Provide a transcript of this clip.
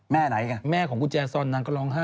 แม่ไหนใช่มั้ยแม่ของกูแจซ่อนนางก็ล้องไห้